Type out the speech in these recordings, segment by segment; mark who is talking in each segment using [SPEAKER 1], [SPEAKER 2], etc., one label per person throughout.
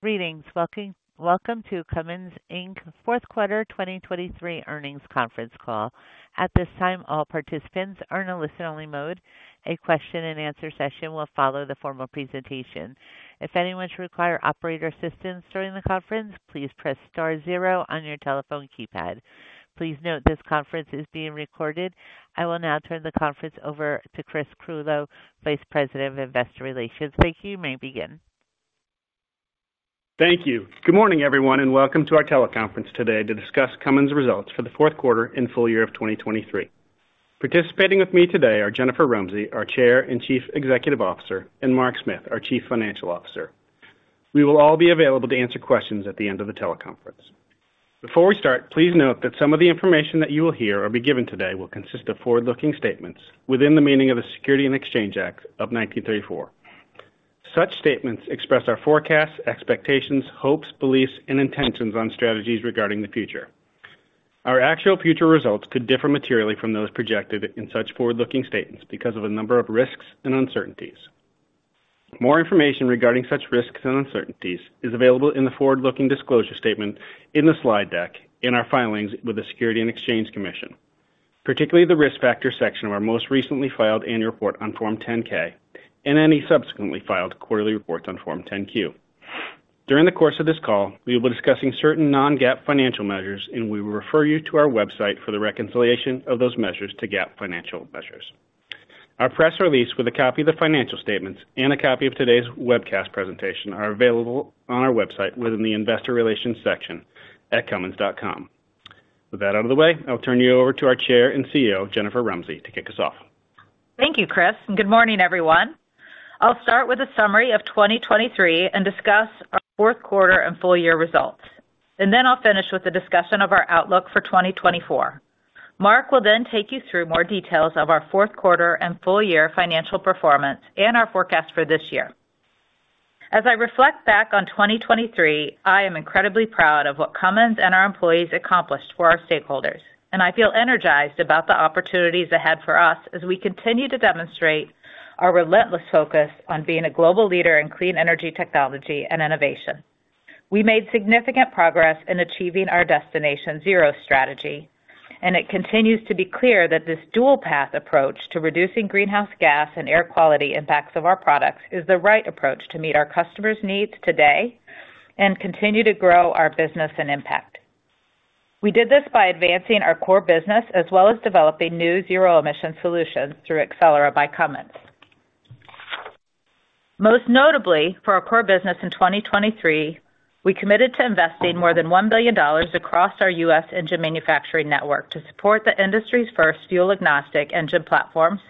[SPEAKER 1] Greetings! Welcome, welcome to Cummins Inc.'s fourth quarter 2023 earnings conference call. At this time, all participants are in a listen-only mode. A question-and-answer session will follow the formal presentation. If anyone should require operator assistance during the conference, please press star zero on your telephone keypad. Please note, this conference is being recorded. I will now turn the conference over to Chris Clulow, Vice President of Investor Relations. Thank you. You may begin.
[SPEAKER 2] Thank you. Good morning, everyone, and welcome to our teleconference today to discuss Cummins' results for the fourth quarter and full year of 2023. Participating with me today are Jennifer Rumsey, our Chair and Chief Executive Officer, and Mark Smith, our Chief Financial Officer. We will all be available to answer questions at the end of the teleconference. Before we start, please note that some of the information that you will hear or be given today will consist of forward-looking statements within the meaning of the Securities and Exchange Act of 1934. Such statements express our forecasts, expectations, hopes, beliefs, and intentions on strategies regarding the future. Our actual future results could differ materially from those projected in such forward-looking statements because of a number of risks and uncertainties. More information regarding such risks and uncertainties is available in the forward-looking disclosure statement in the slide deck in our filings with the Securities and Exchange Commission, particularly the Risk Factors section of our most recently filed annual report on Form 10-K and any subsequently filed quarterly reports on Form 10-Q. During the course of this call, we will be discussing certain non-GAAP financial measures, and we will refer you to our website for the reconciliation of those measures to GAAP financial measures. Our press release, with a copy of the financial statements and a copy of today's webcast presentation, are available on our website within the Investor Relations section at cummins.com. With that out of the way, I'll turn you over to our Chair and CEO, Jennifer Rumsey, to kick us off.
[SPEAKER 3] Thank you, Chris, and good morning, everyone. I'll start with a summary of 2023 and discuss our fourth quarter and full year results, and then I'll finish with a discussion of our outlook for 2024. Mark will then take you through more details of our fourth quarter and full year financial performance and our forecast for this year. As I reflect back on 2023, I am incredibly proud of what Cummins and our employees accomplished for our stakeholders, and I feel energized about the opportunities ahead for us as we continue to demonstrate our relentless focus on being a global leader in clean energy, technology, and innovation. We made significant progress in achieving our Destination Zero strategy, and it continues to be clear that this dual path approach to reducing greenhouse gas and air quality impacts of our products is the right approach to meet our customers' needs today and continue to grow our business and impact. We did this by advancing our core business as well as developing new zero-emission solutions through Accelera by Cummins. Most notably, for our core business in 2023, we committed to investing more than $1 billion across our U.S. engine manufacturing network to support the industry's first fuel-agnostic engine platforms,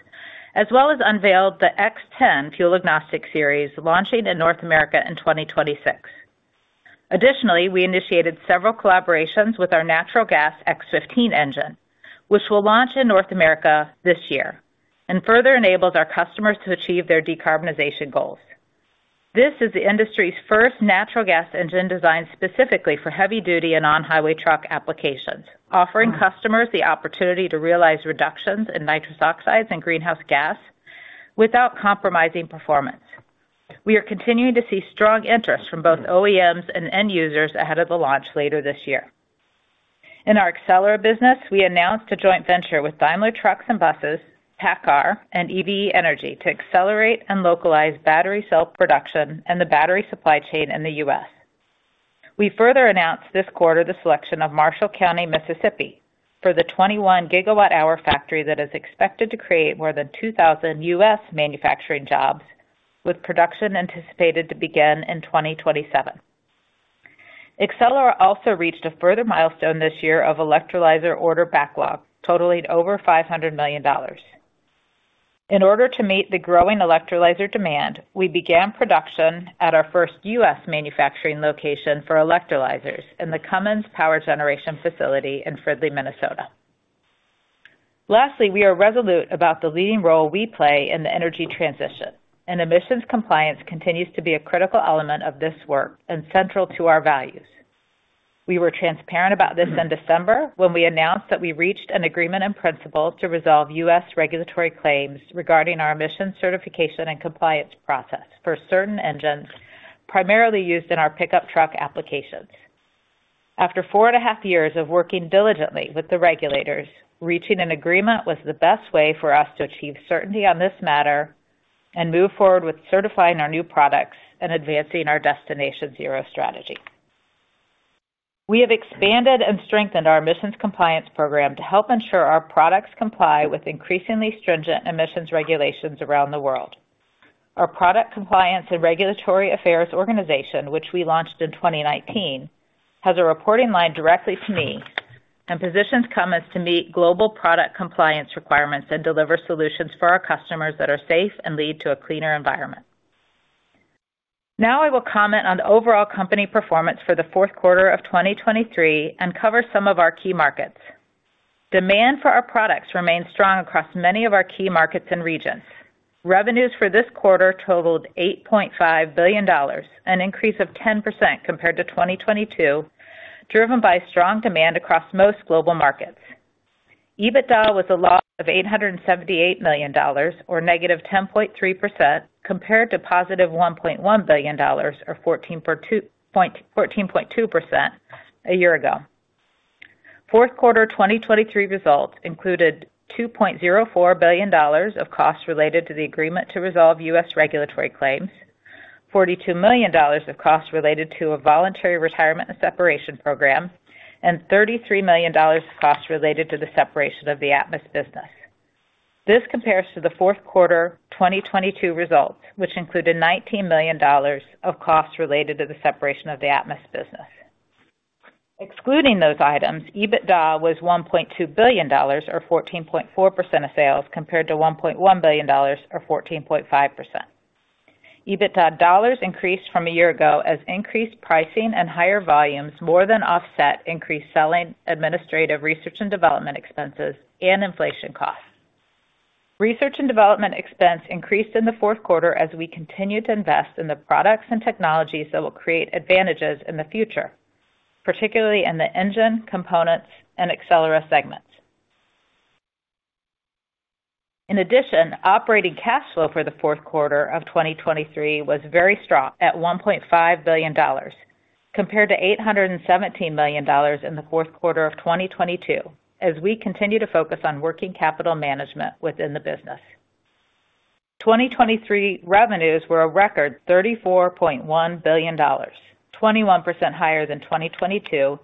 [SPEAKER 3] as well as unveiled the X10 fuel-agnostic series, launching in North America in 2026. Additionally, we initiated several collaborations with our natural gas X15 engine, which will launch in North America this year and further enables our customers to achieve their decarbonization goals. This is the industry's first natural gas engine designed specifically for heavy-duty and on-highway truck applications, offering customers the opportunity to realize reductions in nitrous oxides and greenhouse gas without compromising performance. We are continuing to see strong interest from both OEMs and end users ahead of the launch later this year. In our Accelera business, we announced a joint venture with Daimler Truck, PACCAR, and EVE Energy to accelerate and localize battery cell production and the battery supply chain in the U.S. We further announced this quarter the selection of Marshall County, Mississippi, for the 21 GWh factory that is expected to create more than 2,000 U.S. manufacturing jobs, with production anticipated to begin in 2027. Accelera also reached a further milestone this year of electrolyzer order backlog, totaling over $500 million. In order to meet the growing electrolyzer demand, we began production at our first U.S. manufacturing location for electrolyzers in the Cummins Power Generation facility in Fridley, Minnesota. Lastly, we are resolute about the leading role we play in the energy transition, and emissions compliance continues to be a critical element of this work and central to our values. We were transparent about this in December, when we announced that we reached an agreement in principle to resolve U.S. regulatory claims regarding our emissions certification and compliance process for certain engines, primarily used in our pickup truck applications. After four and a half years of working diligently with the regulators, reaching an agreement was the best way for us to achieve certainty on this matter and move forward with certifying our new products and advancing our Destination Zero strategy. We have expanded and strengthened our emissions compliance program to help ensure our products comply with increasingly stringent emissions regulations around the world. Our Product Compliance and Regulatory Affairs organization, which we launched in 2019, has a reporting line directly to me and positions Cummins to meet global product compliance requirements and deliver solutions for our customers that are safe and lead to a cleaner environment. Now, I will comment on overall company performance for the fourth quarter of 2023 and cover some of our key markets. Demand for our products remains strong across many of our key markets and regions. Revenues for this quarter totaled $8.5 billion, an increase of 10% compared to 2022, driven by strong demand across most global markets.... EBITDA was a loss of $878 million, or -10.3%, compared to positive $1.1 billion, or 14.2%, a year ago. Fourth quarter 2023 results included $2.04 billion of costs related to the agreement to resolve U.S. regulatory claims, $42 million of costs related to a voluntary retirement and separation program, and $33 million of costs related to the separation of the Atmus business. This compares to the fourth quarter 2022 results, which included $19 million of costs related to the separation of the Atmus business. Excluding those items, EBITDA was $1.2 billion, or 14.4% of sales, compared to $1.1 billion or 14.5%. EBITDA dollars increased from a year ago as increased pricing and higher volumes more than offset increased selling, administrative, research and development expenses and inflation costs. Research and development expense increased in the fourth quarter as we continued to invest in the products and technologies that will create advantages in the future, particularly in the engine, components, and Accelera segments. In addition, operating cash flow for the fourth quarter of 2023 was very strong at $1.5 billion, compared to $817 million in the fourth quarter of 2022 as we continue to focus on working capital management within the business. 2023 revenues were a record $34.1 billion, 21% higher than 2022,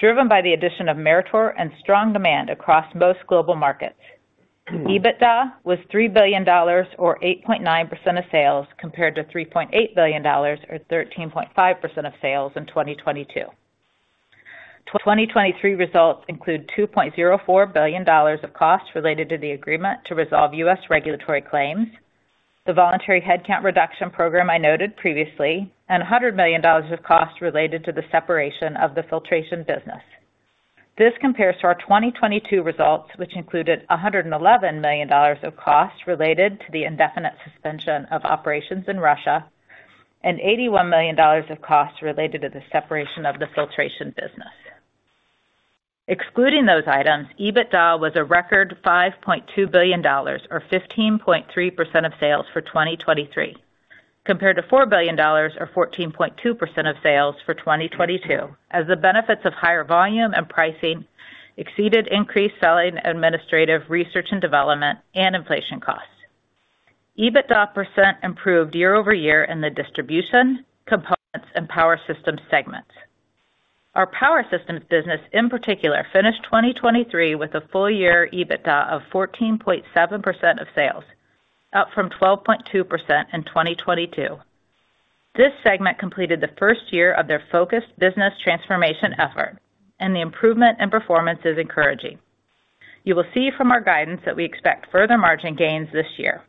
[SPEAKER 3] driven by the addition of Meritor and strong demand across most global markets. EBITDA was $3 billion, or 8.9% of sales, compared to $3.8 billion or 13.5% of sales in 2022. 2023 results include $2.04 billion of costs related to the agreement to resolve U.S. regulatory claims. The voluntary headcount reduction program I noted previously, and $100 million of costs related to the separation of the filtration business. This compares to our 2022 results, which included $111 million of costs related to the indefinite suspension of operations in Russia and $81 million of costs related to the separation of the filtration business. Excluding those items, EBITDA was a record $5.2 billion, or 15.3% of sales for 2023, compared to $4 billion or 14.2% of sales for 2022. As the benefits of higher volume and pricing exceeded increased selling, administrative research and development and inflation costs. EBITDA% improved year-over-year in the distribution, components and power systems segments. Our power systems business, in particular, finished 2023 with a full year EBITDA of 14.7% of sales, up from 12.2% in 2022. This segment completed the first year of their focused business transformation effort, and the improvement in performance is encouraging. You will see from our guidance that we expect further margin gains this year.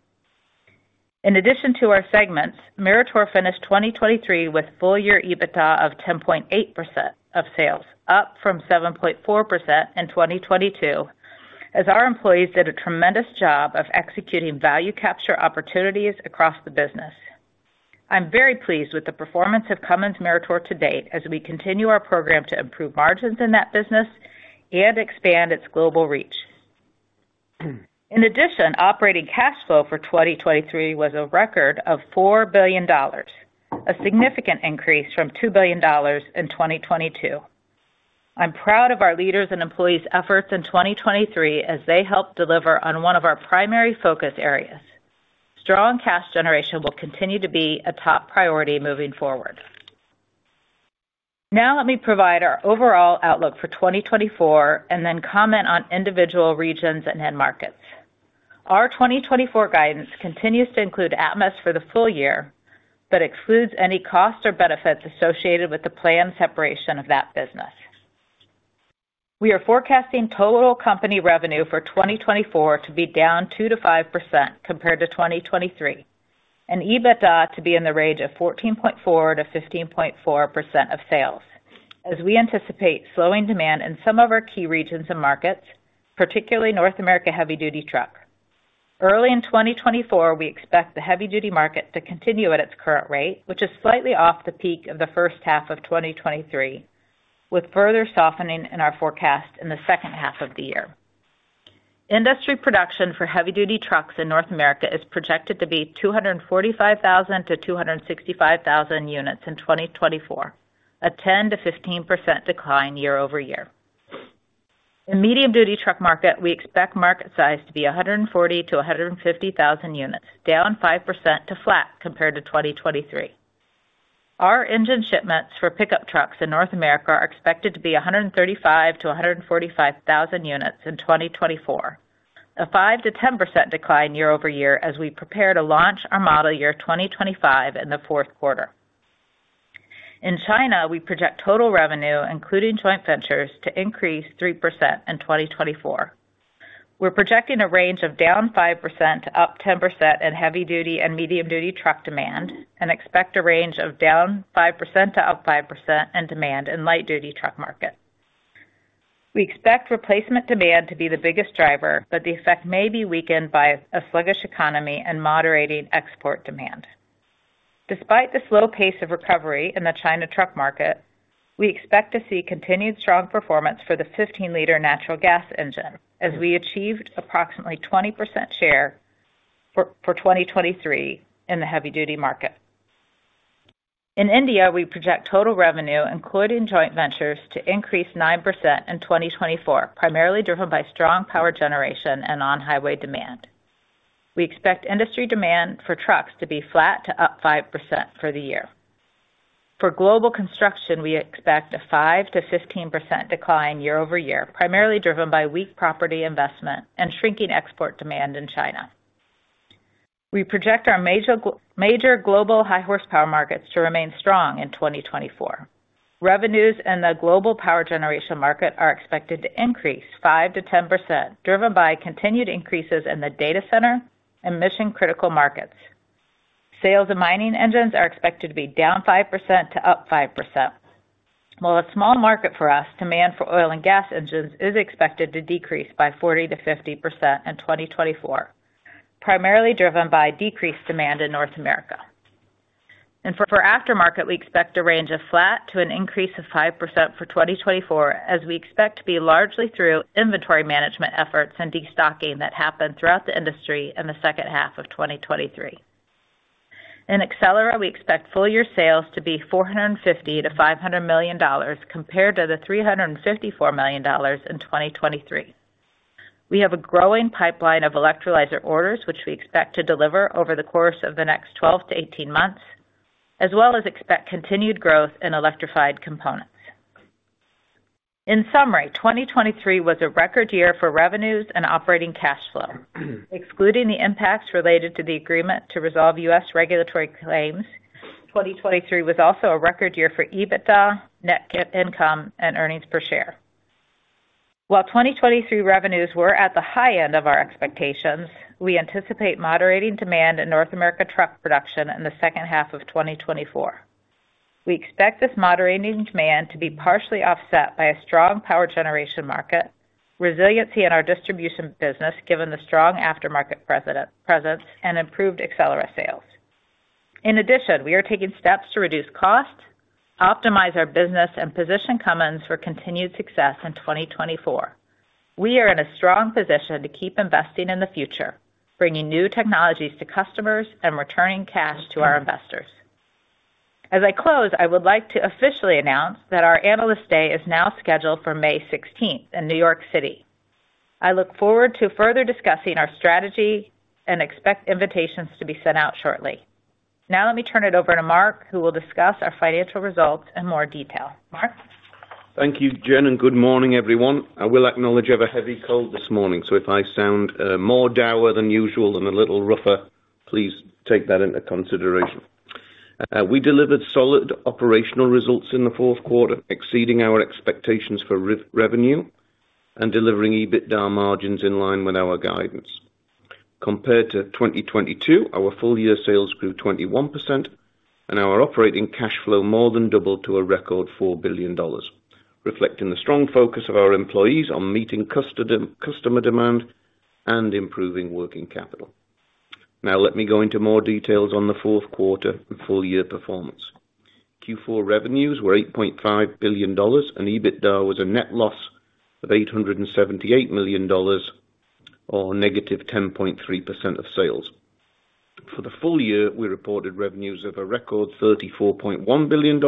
[SPEAKER 3] In addition to our segments, Meritor finished 2023 with full year EBITDA of 10.8% of sales, up from 7.4% in 2022, as our employees did a tremendous job of executing value capture opportunities across the business. I'm very pleased with the performance of Cummins-Meritor to date as we continue our program to improve margins in that business and expand its global reach. In addition, operating cash flow for 2023 was a record of $4 billion, a significant increase from $2 billion in 2022. I'm proud of our leaders and employees' efforts in 2023 as they helped deliver on one of our primary focus areas. Strong cash generation will continue to be a top priority moving forward. Now, let me provide our overall outlook for 2024 and then comment on individual regions and end markets. Our 2024 guidance continues to include Atmus for the full year, but excludes any costs or benefits associated with the planned separation of that business. We are forecasting total company revenue for 2024 to be down 2%-5% compared to 2023, and EBITDA to be in the range of 14.4%-15.4% of sales. As we anticipate slowing demand in some of our key regions and markets, particularly North America heavy-duty truck. Early in 2024, we expect the heavy-duty market to continue at its current rate, which is slightly off the peak of the first half of 2023, with further softening in our forecast in the second half of the year. Industry production for heavy-duty trucks in North America is projected to be 245,000-265,000 units in 2024, a 10%-15% decline year-over-year. In medium-duty truck market, we expect market size to be 140,000-150,000 units, down 5% to flat compared to 2023. Our engine shipments for pickup trucks in North America are expected to be 135,000-145,000 units in 2024, a 5%-10% decline year-over-year as we prepare to launch our model year 2025 in the fourth quarter. In China, we project total revenue, including joint ventures, to increase 3% in 2024. We're projecting a range of down 5% to up 10% in heavy-duty and medium-duty truck demand, and expect a range of down 5% to up 5% in demand in light-duty truck market. We expect replacement demand to be the biggest driver, but the effect may be weakened by a sluggish economy and moderating export demand. Despite this slow pace of recovery in the China truck market, we expect to see continued strong performance for the 15-liter natural gas engine, as we achieved approximately 20% share for, for 2023 in the heavy-duty market. In India, we project total revenue, including joint ventures, to increase 9% in 2024, primarily driven by strong power generation and on-highway demand. We expect industry demand for trucks to be flat to up 5% for the year. For global construction, we expect a 5%-15% decline year-over-year, primarily driven by weak property investment and shrinking export demand in China. We project our major global high horsepower markets to remain strong in 2024. Revenues in the global power generation market are expected to increase 5%-10%, driven by continued increases in the data center and mission-critical markets. Sales of mining engines are expected to be down 5% to up 5%. While a small market for us, demand for oil and gas engines is expected to decrease by 40%-50% in 2024, primarily driven by decreased demand in North America. For aftermarket, we expect a range of flat to an increase of 5% for 2024, as we expect to be largely through inventory management efforts and destocking that happened throughout the industry in the second half of 2023. In Accelera, we expect full year sales to be $450 million-$500 million compared to the $354 million in 2023. We have a growing pipeline of electrolyzer orders, which we expect to deliver over the course of the next 12 to 18 months, as well as expect continued growth in electrified components. In summary, 2023 was a record year for revenues and operating cash flow. Excluding the impacts related to the agreement to resolve U.S. regulatory claims, 2023 was also a record year for EBITDA, net income and earnings per share. While 2023 revenues were at the high end of our expectations, we anticipate moderating demand in North America truck production in the second half of 2024. We expect this moderating demand to be partially offset by a strong power generation market, resiliency in our distribution business, given the strong aftermarket presence and improved Accelera sales. In addition, we are taking steps to reduce costs, optimize our business and position Cummins for continued success in 2024. We are in a strong position to keep investing in the future, bringing new technologies to customers and returning cash to our investors. As I close, I would like to officially announce that our Analyst Day is now scheduled for May 16th in New York City. I look forward to further discussing our strategy and expect invitations to be sent out shortly. Now, let me turn it over to Mark, who will discuss our financial results in more detail. Mark?
[SPEAKER 4] Thank you, Jen, and good morning, everyone. I will acknowledge I have a heavy cold this morning, so if I sound more dour than usual and a little rougher, please take that into consideration. We delivered solid operational results in the fourth quarter, exceeding our expectations for revenue and delivering EBITDA margins in line with our guidance. Compared to 2022, our full year sales grew 21%, and our operating cash flow more than doubled to a record $4 billion, reflecting the strong focus of our employees on meeting customer demand and improving working capital. Now, let me go into more details on the fourth quarter and full year performance. Q4 revenues were $8.5 billion, and EBITDA was a net loss of $878 million or negative 10.3% of sales. For the full year, we reported revenues of a record $34.1 billion,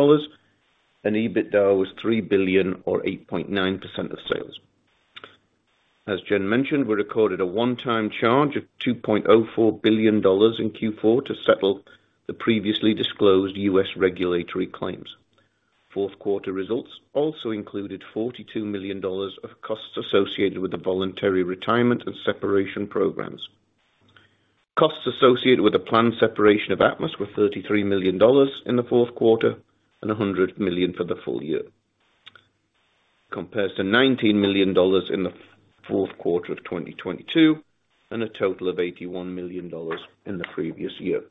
[SPEAKER 4] and EBITDA was $3 billion or 8.9% of sales. As Jen mentioned, we recorded a one-time charge of $2.04 billion in Q4 to settle the previously disclosed U.S. regulatory claims. Fourth quarter results also included $42 million of costs associated with the voluntary retirement and separation programs. Costs associated with the planned separation of Atmus were $33 million in the fourth quarter and $100 million for the full year. Compares to $19 million in the fourth quarter of 2022, and a total of $81 million in the previous year.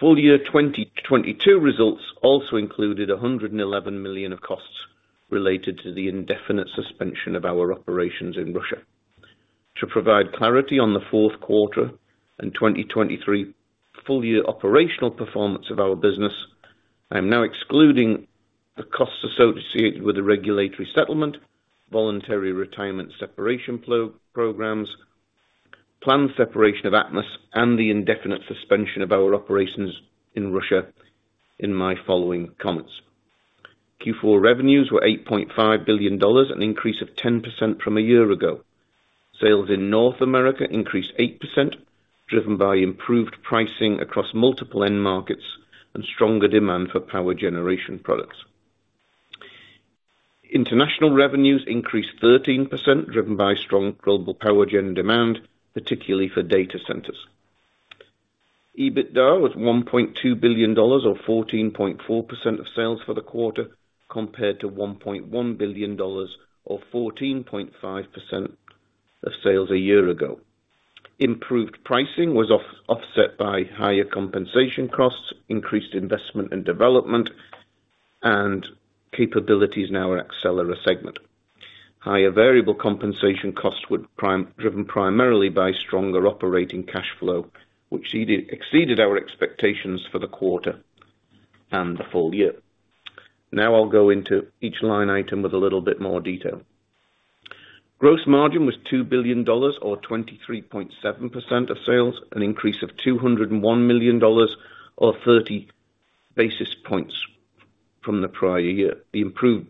[SPEAKER 4] Full year 2022 results also included $111 million of costs related to the indefinite suspension of our operations in Russia. To provide clarity on the fourth quarter and 2023 full year operational performance of our business, I am now excluding the costs associated with the regulatory settlement, voluntary retirement separation programs, planned separation of Atmus, and the indefinite suspension of our operations in Russia in my following comments. Q4 revenues were $8.5 billion, an increase of 10% from a year ago. Sales in North America increased 8%, driven by improved pricing across multiple end markets and stronger demand for power generation products. International revenues increased 13%, driven by strong global power gen demand, particularly for data centers. EBITDA was $1.2 billion or 14.4% of sales for the quarter, compared to $1.1 billion or 14.5% of sales a year ago. Improved pricing was offset by higher compensation costs, increased investment in development and capabilities in our Accelera segment. Higher variable compensation costs were driven primarily by stronger operating cash flow, which exceeded our expectations for the quarter and the full year. Now I'll go into each line item with a little bit more detail. Gross margin was $2 billion or 23.7% of sales, an increase of $201 million or 30 basis points from the prior year. The improved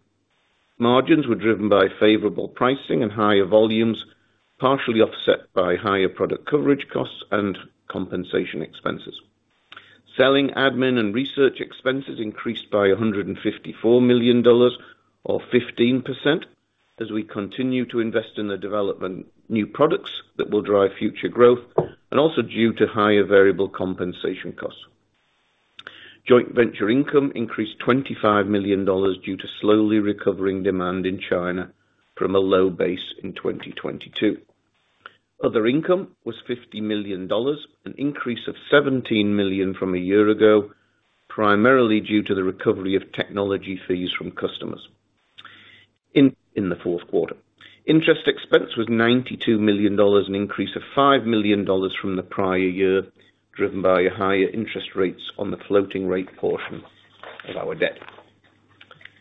[SPEAKER 4] margins were driven by favorable pricing and higher volumes, partially offset by higher product coverage costs and compensation expenses. Selling, admin, and research expenses increased by $154 million or 15% as we continue to invest in the development of new products that will drive future growth, and also due to higher variable compensation costs. Joint venture income increased $25 million due to slowly recovering demand in China from a low base in 2022. Other income was $50 million, an increase of $17 million from a year ago, primarily due to the recovery of technology fees from customers in the fourth quarter. Interest expense was $92 million, an increase of $5 million from the prior year, driven by higher interest rates on the floating rate portion of our debt.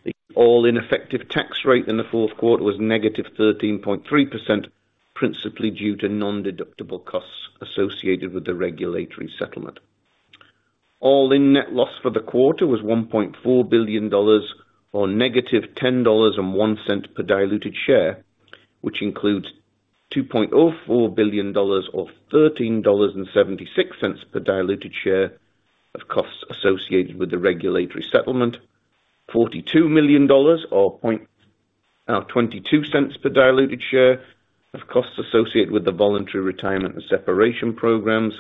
[SPEAKER 4] The all-in effective tax rate in the fourth quarter was negative 13.3%, principally due to nondeductible costs associated with the regulatory settlement. All-in net loss for the quarter was $1.4 billion, or -$10.01 per diluted share, which includes $2.04 billion, or $13.76 per diluted share of costs associated with the regulatory settlement. $42 million or $0.22 per diluted share of costs associated with the voluntary retirement and separation programs,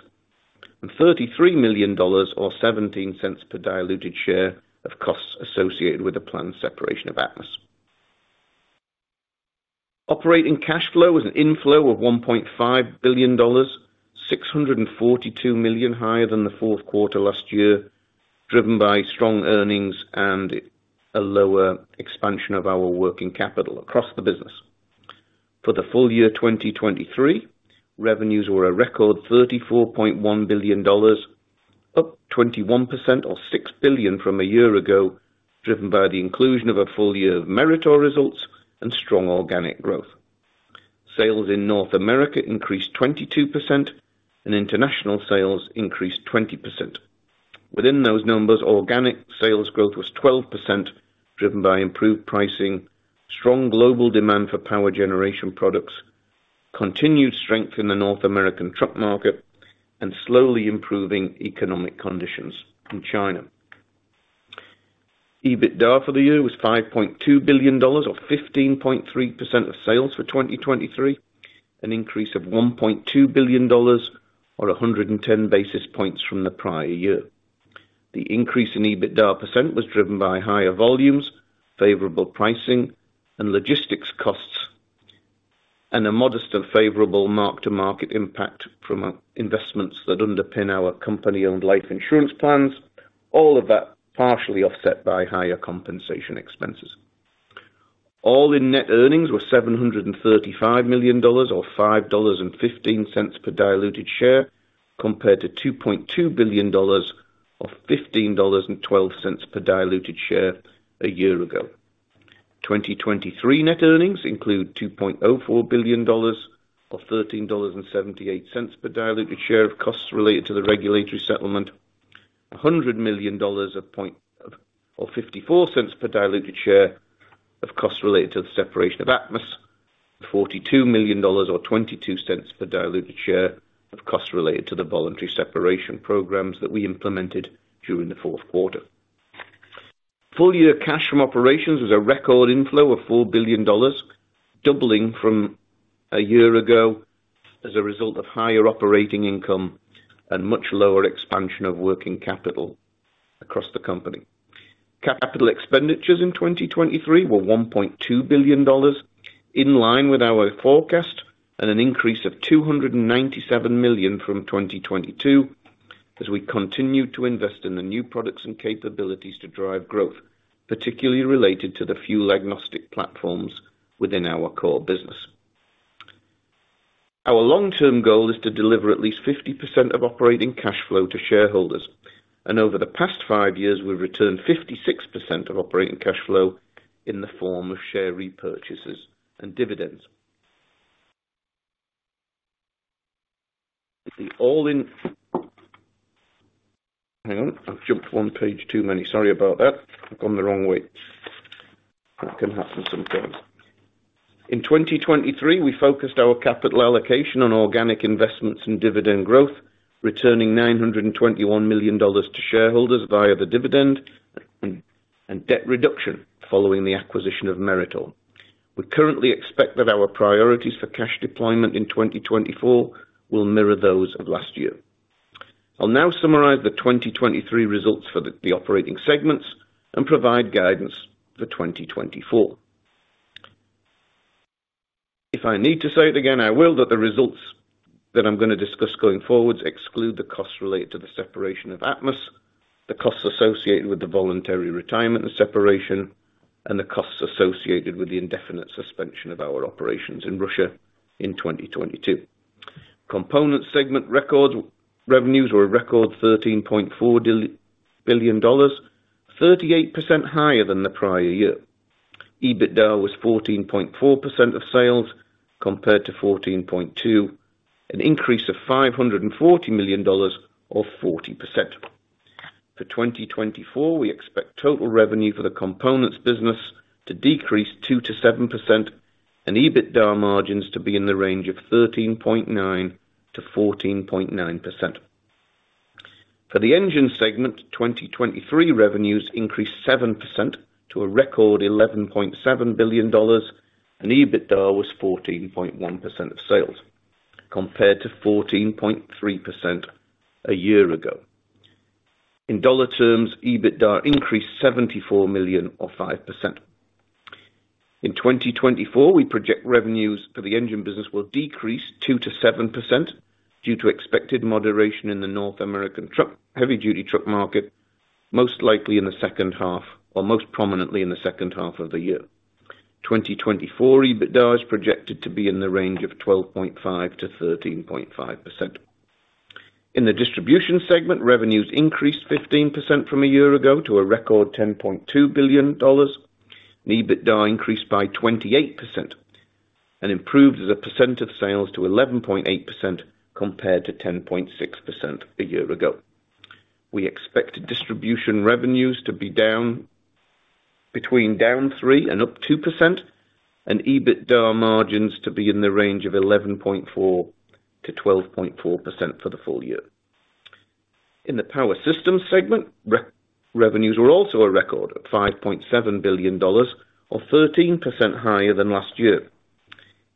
[SPEAKER 4] and $33 million or $0.17 per diluted share of costs associated with the planned separation of Atmus. Operating cash flow was an inflow of $1.5 billion, $642 million higher than the fourth quarter last year, driven by strong earnings and a lower expansion of our working capital across the business. For the full year 2023, revenues were a record $34.1 billion, up 21% or $6 billion from a year ago, driven by the inclusion of a full year of Meritor results and strong organic growth. Sales in North America increased 22%, and international sales increased 20%. Within those numbers, organic sales growth was 12%, driven by improved pricing, strong global demand for power generation products, continued strength in the North American truck market, and slowly improving economic conditions in China. EBITDA for the year was $5.2 billion or 15.3% of sales for 2023, an increase of $1.2 billion or 110 basis points from the prior year. The increase in EBITDA % was driven by higher volumes, favorable pricing, and logistics costs, and a modest and favorable mark-to-market impact from our investments that underpin our company-owned life insurance plans, all of that partially offset by higher compensation expenses. All-in net earnings were $735 million or $5.15 per diluted share, compared to $2.2 billion or $15.12 per diluted share a year ago. 2023 net earnings include $2.04 billion or $13.78 per diluted share of costs related to the regulatory settlement, $100 million or $0.54 per diluted share of costs related to the separation of Atmus, $42 million or $0.22 per diluted share of costs related to the voluntary separation programs that we implemented during the fourth quarter. Full year cash from operations was a record inflow of $4 billion, doubling from a year ago as a result of higher operating income and much lower expansion of working capital across the company. Capital expenditures in 2023 were $1.2 billion, in line with our forecast and an increase of $297 million from 2022, as we continued to invest in the new products and capabilities to drive growth, particularly related to the fuel-agnostic platforms within our core business. Our long-term goal is to deliver at least 50% of operating cash flow to shareholders, and over the past five years, we've returned 56% of operating cash flow in the form of share repurchases and dividends. The all-in... Hang on. I've jumped one page too many. Sorry about that. I've gone the wrong way. That can happen sometimes. In 2023, we focused our capital allocation on organic investments and dividend growth, returning $921 million to shareholders via the dividend and debt reduction following the acquisition of Meritor. We currently expect that our priorities for cash deployment in 2024 will mirror those of last year. I'll now summarize the 2023 results for the operating segments and provide guidance for 2024. If I need to say it again, I will, that the results that I'm gonna discuss going forwards exclude the costs related to the separation of Atmus, the costs associated with the voluntary retirement and separation, and the costs associated with the indefinite suspension of our operations in Russia in 2022. Component segment record revenues were a record $13.4 billion, 38% higher than the prior year. EBITDA was 14.4% of sales, compared to 14.2%, an increase of $540 million or 40%. For 2024, we expect total revenue for the components business to decrease 2%-7% and EBITDA margins to be in the range of 13.9%-14.9%. For the engine segment, 2023 revenues increased 7% to a record $11.7 billion, and EBITDA was 14.1% of sales, compared to 14.3% a year ago. In dollar terms, EBITDA increased $74 million or 5%. In 2024, we project revenues for the engine business will decrease 2%-7% due to expected moderation in the North American truck, heavy duty truck market, most likely in the second half or most prominently in the second half of the year. 2024 EBITDA is projected to be in the range of 12.5%-13.5%. In the distribution segment, revenues increased 15% from a year ago to a record $10.2 billion. And EBITDA increased by 28% and improved as a percent of sales to 11.8%, compared to 10.6% a year ago. We expect distribution revenues to be between -3% and +2%, and EBITDA margins to be in the range of 11.4%-12.4% for the full year. In the power systems segment, revenues were also a record of $5.7 billion or 13% higher than last year.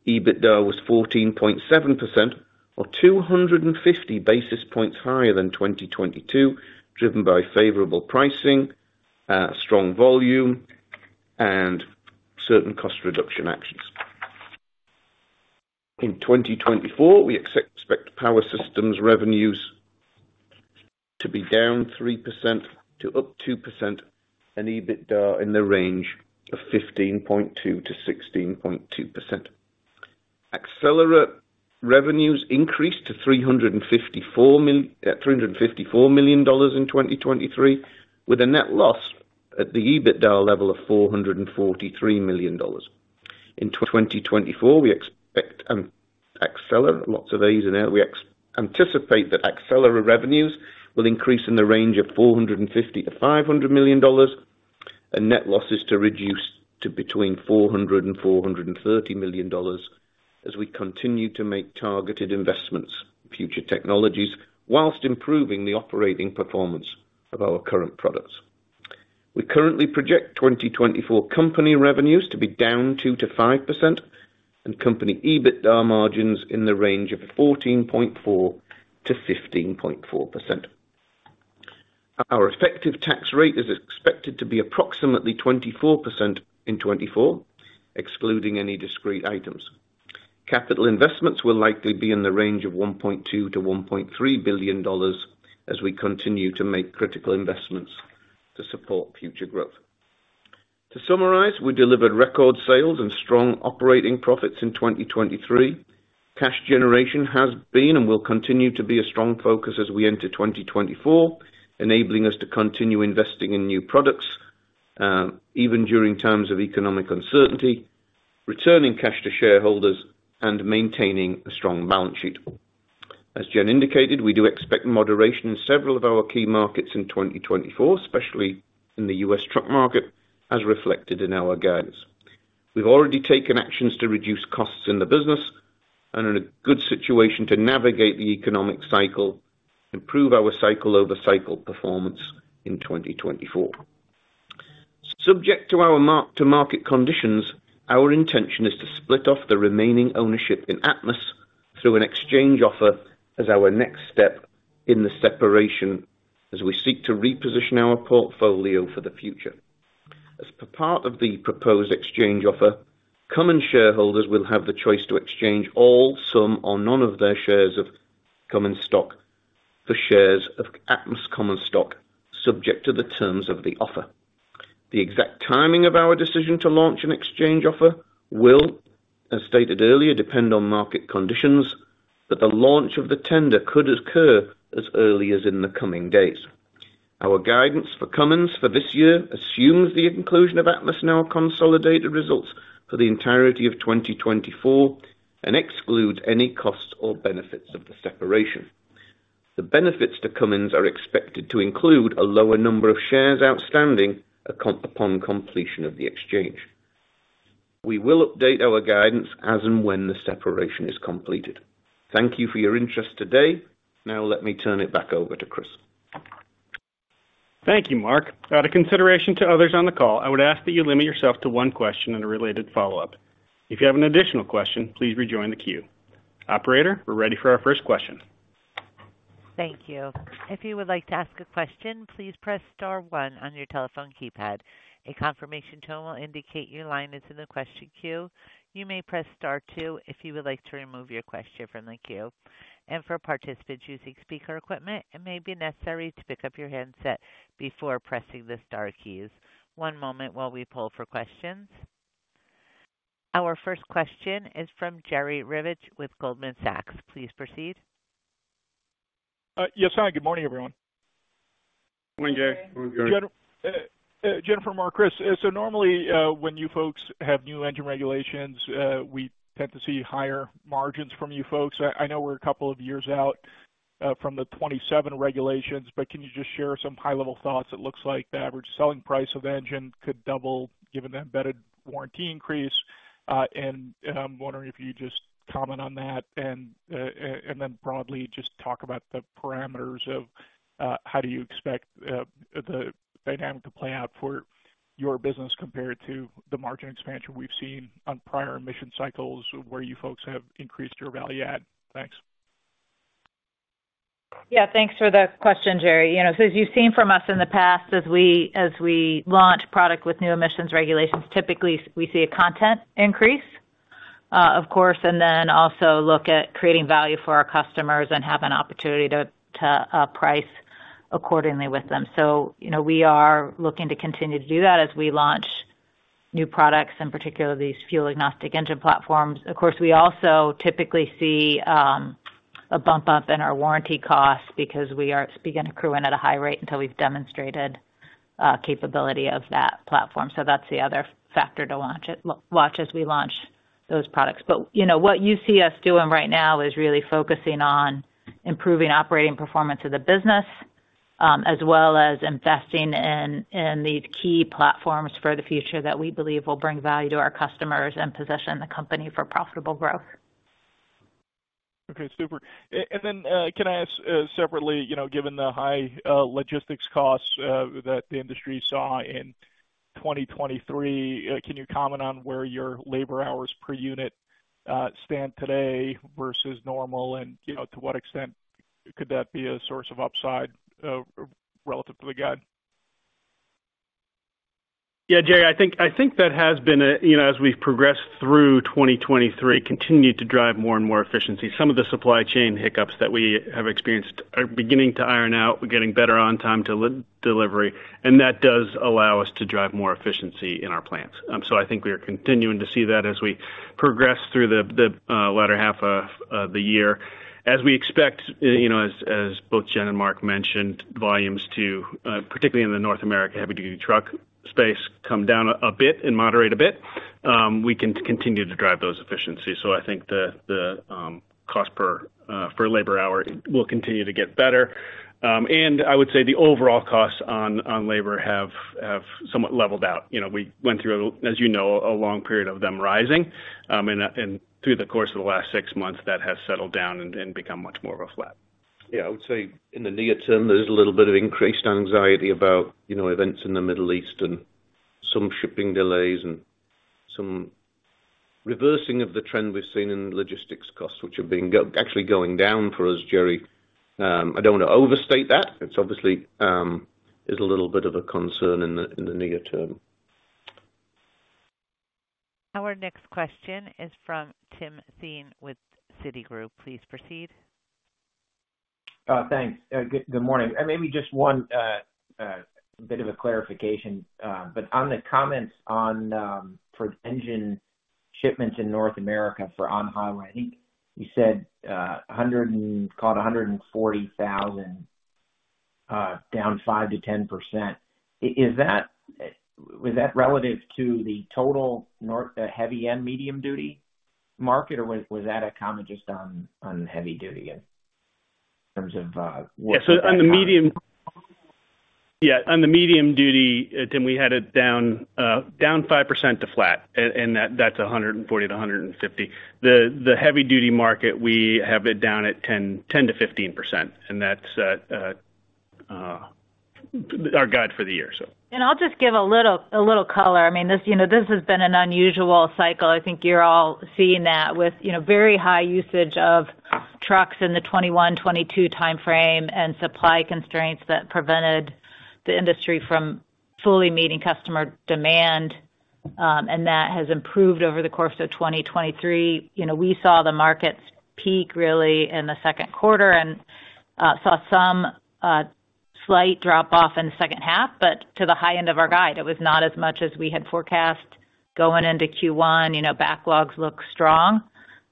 [SPEAKER 4] EBITDA was 14.7% or 250 basis points higher than 2022, driven by favorable pricing, strong volume, and certain cost reduction actions. In 2024, we expect power systems revenues to be down 3% to up 2% and EBITDA in the range of 15.2%-16.2%. Accelera revenues increased to $354 million in 2023, with a net loss at the EBITDA level of $443 million. In 2024, we expect, Accelera, lots of A's in there. We anticipate that Accelera revenues will increase in the range of $450 million-$500 million, and net losses to reduce to between $400 million and $430 million as we continue to make targeted investments in future technologies, while improving the operating performance of our current products. We currently project 2024 company revenues to be down 2%-5% and company EBITDA margins in the range of 14.4%-15.4%. Our effective tax rate is expected to be approximately 24% in 2024, excluding any discrete items. Capital investments will likely be in the range of $1.2 billion-$1.3 billion as we continue to make critical investments to support future growth. To summarize, we delivered record sales and strong operating profits in 2023. Cash generation has been, and will continue to be, a strong focus as we enter 2024, enabling us to continue investing in new products, even during times of economic uncertainty, returning cash to shareholders, and maintaining a strong balance sheet. As Jen indicated, we do expect moderation in several of our key markets in 2024, especially in the U.S. truck market, as reflected in our guidance. We've already taken actions to reduce costs in the business and are in a good situation to navigate the economic cycle, improve our cycle over cycle performance in 2024. Subject to our market conditions, our intention is to split off the remaining ownership in Atmus through an exchange offer as our next step in the separation, as we seek to reposition our portfolio for the future. As part of the proposed exchange offer, Cummins shareholders will have the choice to exchange all, some, or none of their shares of Cummins stock for shares of Atmus common stock, subject to the terms of the offer. The exact timing of our decision to launch an exchange offer will, as stated earlier, depend on market conditions, but the launch of the tender could occur as early as in the coming days. Our guidance for Cummins for this year assumes the inclusion of Atmus in our consolidated results for the entirety of 2024 and excludes any costs or benefits of the separation. The benefits to Cummins are expected to include a lower number of shares outstanding, upon completion of the exchange. We will update our guidance as and when the separation is completed. Thank you for your interest today. Now, let me turn it back over to Chris.
[SPEAKER 2] Thank you, Mark. Out of consideration to others on the call, I would ask that you limit yourself to one question and a related follow-up. If you have an additional question, please rejoin the queue. Operator, we're ready for our first question.
[SPEAKER 1] ...Thank you. If you would like to ask a question, please press star one on your telephone keypad. A confirmation tone will indicate your line is in the question queue. You may press star two if you would like to remove your question from the queue. For participants using speaker equipment, it may be necessary to pick up your handset before pressing the star keys. One moment while we pull for questions. Our first question is from Jerry Revich with Goldman Sachs. Please proceed.
[SPEAKER 5] Yes, hi, good morning, everyone.
[SPEAKER 2] Good morning, Jerry.
[SPEAKER 5] Jennifer, Mark, Chris, so normally, when you folks have new engine regulations, we tend to see higher margins from you folks. I know we're a couple of years out from the 2027 regulations, but can you just share some high-level thoughts? It looks like the average selling price of engine could double, given the embedded warranty increase. And I'm wondering if you just comment on that and then broadly, just talk about the parameters of how do you expect the dynamic to play out for your business compared to the margin expansion we've seen on prior emission cycles, where you folks have increased your value add? Thanks.
[SPEAKER 3] Yeah, thanks for the question, Jerry. You know, so as you've seen from us in the past, as we launch product with new emissions regulations, typically we see a content increase, of course, and then also look at creating value for our customers and have an opportunity to price accordingly with them. So, you know, we are looking to continue to do that as we launch new products, in particular, these fuel-agnostic engine platforms. Of course, we also typically see a bump up in our warranty costs because we are beginning to accrue in at a high rate until we've demonstrated capability of that platform. So that's the other factor to watch as we launch those products. But, you know, what you see us doing right now is really focusing on improving operating performance of the business, as well as investing in these key platforms for the future that we believe will bring value to our customers and position the company for profitable growth.
[SPEAKER 5] Okay, super. And then, can I ask, separately, you know, given the high logistics costs that the industry saw in 2023, can you comment on where your labor hours per unit stand today versus normal? And, you know, to what extent could that be a source of upside relative to the guide?
[SPEAKER 2] Yeah, Jerry, I think, I think that has been a, you know, as we've progressed through 2023, continued to drive more and more efficiency. Some of the supply chain hiccups that we have experienced are beginning to iron out. We're getting better on time to delivery, and that does allow us to drive more efficiency in our plants. So I think we are continuing to see that as we progress through the latter half of the year. As we expect, you know, as both Jen and Mark mentioned, volumes to particularly in the North America heavy-duty truck space come down a bit and moderate a bit, we can continue to drive those efficiencies. So I think the cost per for labor hour will continue to get better. I would say the overall costs on labor have somewhat leveled out. You know, we went through, as you know, a long period of them rising, and through the course of the last six months, that has settled down and become much more of a flat.
[SPEAKER 4] Yeah, I would say in the near term, there's a little bit of increased anxiety about, you know, events in the Middle East and some shipping delays and some reversing of the trend we've seen in logistics costs, which have been actually going down for us, Jerry. I don't want to overstate that. It's obviously is a little bit of a concern in the near term.
[SPEAKER 1] Our next question is from Tim Thein, with Citigroup. Please proceed.
[SPEAKER 6] Thanks. Good morning. Maybe just one bit of a clarification, but on the comments on for engine shipments in North America for on-highway, I think you said a hundred and called a hundred and 140,000, down 5%-10%. Is that was that relative to the total heavy and medium duty market, or was that a comment just on heavy duty in terms of work?
[SPEAKER 2] Yeah, on the medium duty, Tim, we had it down 5% to flat, and that’s 140 to 150. The heavy duty market, we have it down 10%-15%, and that’s our guide for the year, so.
[SPEAKER 3] I'll just give a little, a little color. I mean, this, you know, this has been an unusual cycle. I think you're all seeing that with, you know, very high usage of trucks in the 2021, 2022 timeframe, and supply constraints that prevented the industry from fully meeting customer demand, and that has improved over the course of 2023. You know, we saw the markets peak really in the second quarter and saw some slight drop off in the second half, but to the high end of our guide, it was not as much as we had forecast. Going into Q1, you know, backlogs look strong.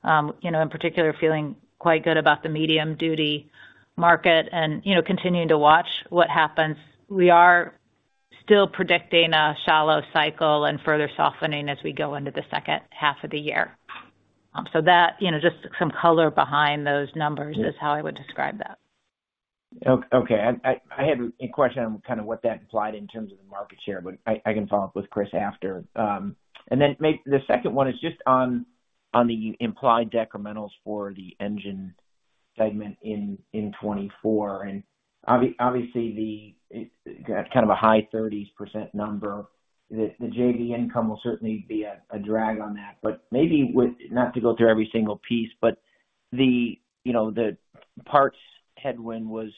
[SPEAKER 3] You know, in particular, feeling quite good about the medium duty market and, you know, continuing to watch what happens. We are still predicting a shallow cycle and further softening as we go into the second half of the year. So that, you know, just some color behind those numbers is how I would describe that.
[SPEAKER 6] Okay. I had a question on kind of what that implied in terms of the market share, but I can follow up with Chris after. The second one is just on the implied decrementals for the engine segment in 2024. And obviously, that's kind of a high 30% number. The JV income will certainly be a drag on that, but maybe with... Not to go through every single piece, but-... the, you know, the parts headwind was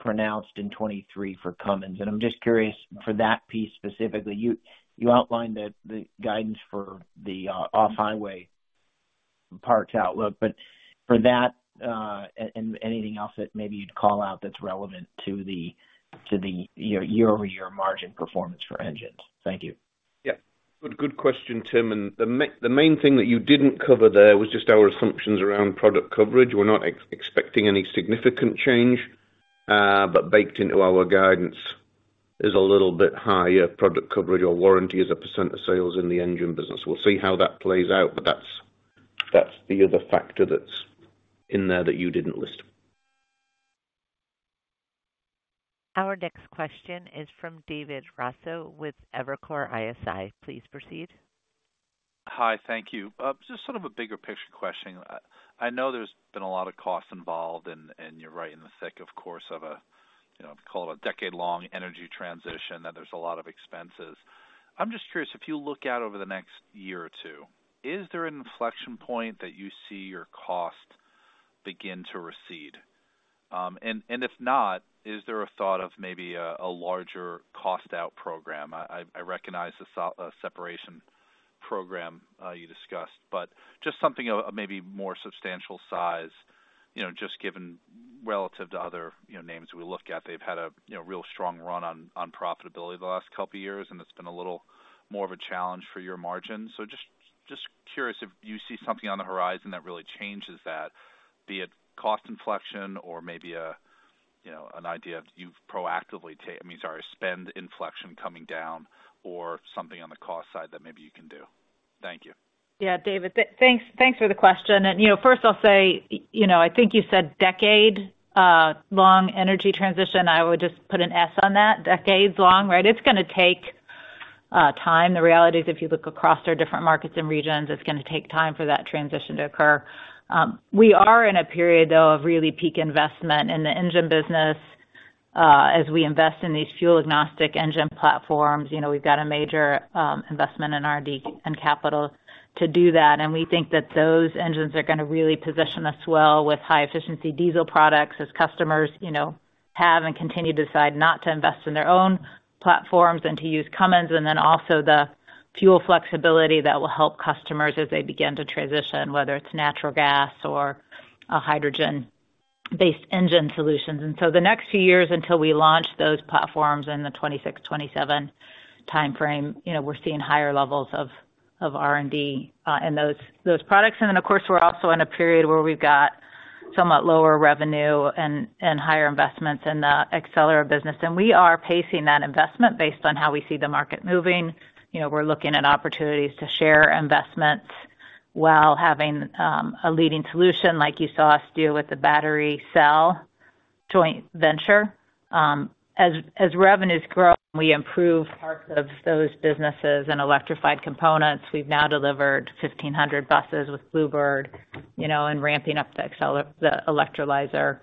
[SPEAKER 6] pronounced in 2023 for Cummins, and I'm just curious for that piece specifically. You outlined the, the guidance for the off-highway parts outlook, but for that and anything else that maybe you'd call out that's relevant to the year-over-year margin performance for engines. Thank you.
[SPEAKER 4] Yeah. Good, good question, Tim. And the main thing that you didn't cover there was just our assumptions around product coverage. We're not expecting any significant change, but baked into our guidance is a little bit higher product coverage or warranty as a percent of sales in the engine business. We'll see how that plays out, but that's the other factor that's in there that you didn't list.
[SPEAKER 1] Our next question is from David Raso with Evercore ISI. Please proceed.
[SPEAKER 7] Hi, thank you. Just sort of a bigger picture question. I know there's been a lot of costs involved, and you're right in the thick, of course, of a, you know, call it a decade-long energy transition, that there's a lot of expenses. I'm just curious, if you look out over the next year or two, is there an inflection point that you see your cost begin to recede? And if not, is there a thought of maybe a larger cost out program? I recognize the separation program you discussed, but just something of maybe more substantial size, you know, just given relative to other, you know, names we look at. They've had a, you know, real strong run on profitability the last couple of years, and it's been a little more of a challenge for your margin. So just curious if you see something on the horizon that really changes that, be it cost inflection or maybe a, you know, an idea you've proactively—I mean, sorry, spend inflection coming down or something on the cost side that maybe you can do. Thank you.
[SPEAKER 3] Yeah, David, thanks for the question. You know, first I'll say, you know, I think you said decade long energy transition. I would just put an S on that, decades long, right? It's gonna take time. The reality is, if you look across our different markets and regions, it's gonna take time for that transition to occur. We are in a period, though, of really peak investment in the engine business, as we invest in these fuel-agnostic engine platforms. You know, we've got a major investment in R&D and capital to do that, and we think that those engines are gonna really position us well with high-efficiency diesel products as customers, you know, have and continue to decide not to invest in their own platforms and to use Cummins, and then also the fuel flexibility that will help customers as they begin to transition, whether it's natural gas or a hydrogen-based engine solutions. And so the next few years, until we launch those platforms in the 2026, 2027 timeframe, you know, we're seeing higher levels of R&D in those products. And then, of course, we're also in a period where we've got somewhat lower revenue and higher investments in the Accelera business. And we are pacing that investment based on how we see the market moving. You know, we're looking at opportunities to share investments while having a leading solution, like you saw us do with the battery cell joint venture. As revenues grow, we improve parts of those businesses and electrified components. We've now delivered 1,500 buses with Blue Bird, you know, and ramping up the electrolyzer